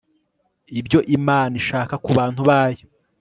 ibyo imana ishaka ku bantu bayo